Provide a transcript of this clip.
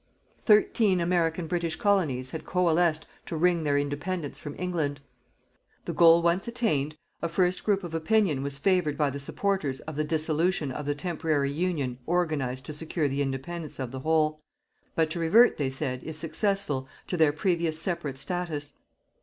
Thirteen American British Colonies had coalesced to wring their Independence from England. The goal once attained, a first group of opinion was favoured by the supporters of the dissolution of the temporary union organized to secure the Independence of the whole, but to revert, they said, if successful, to their previous separate status.